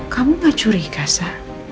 kamu gak curiga sa